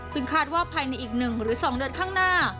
ซึ่งคาดว่าภายในอีก๑หรือ๒เดือนข้างหน้า